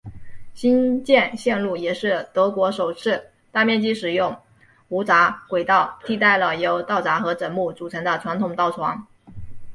新建线路也是德国首次大面积使用无砟轨道替代了由道砟和枕木组成的传统道床。